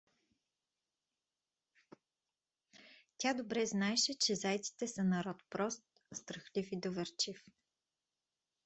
Тя добре знаеше, че зайците са народ прост, страхлив и доверчив.